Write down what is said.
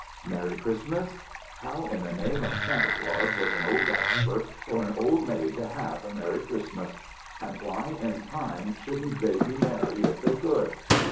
Merry Christmas? How in the name of Santa Claus was an old bachelor or an old maid to have a merry Christmas ? And why in time shouldn't they be merry if they could